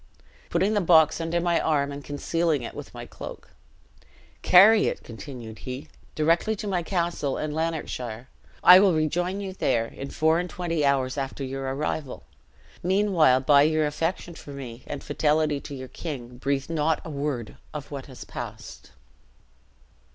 Putting the box under my arm and concealing it with my cloak 'Carry it,' continued he, 'directly to my castle in Lanarkshire. I will rejoin you there, in four and twenty hours after your arrival. Meanwhile, by your affection for me and fidelity to your king, breathe not a word of what has passed.'